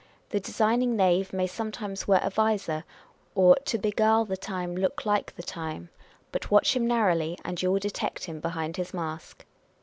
The designing knave may sometimes wear a vizor, or, " to beguile the time, look like the time;" but watch him narrowly, and you will detect him behind his mask